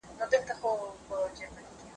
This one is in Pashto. نن ولسونه د پاکستاني پوځیانو په راکټونو کې مري.